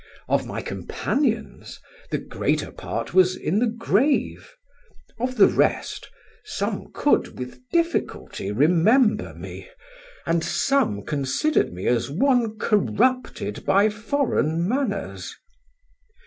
Of my companions, the greater part was in the grave; of the rest, some could with difficulty remember me, and some considered me as one corrupted by foreign manners.